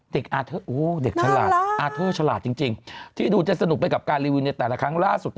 เธอเด็กฉลาดอาร์เทอร์ฉลาดจริงที่ดูจะสนุกไปกับการรีวิวในแต่ละครั้งล่าสุด